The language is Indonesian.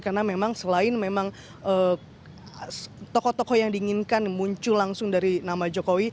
karena memang selain memang tokoh tokoh yang diinginkan muncul langsung dari nama jokowi